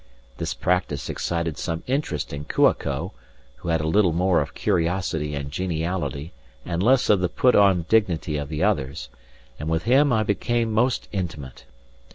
This practice excited some interest in Kua ko, who had a little more of curiosity and geniality and less of the put on dignity of the others, and with him I became most intimate.